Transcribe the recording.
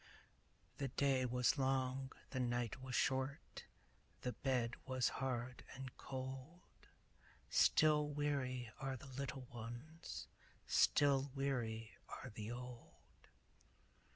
The day was long, the night was short, The bed was hard and cold; Still weary are the little ones, Still weary are the old.